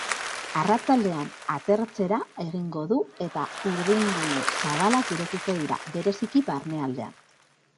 Arratsaldean atertzera egingo du eta urdingune zabalak irekiko dira, bereziki barnealdean.